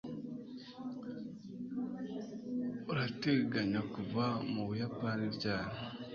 Urateganya kuva mu Buyapani ryari